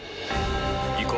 行こう。